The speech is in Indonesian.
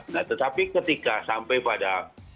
nah tetapi ketika sampai pada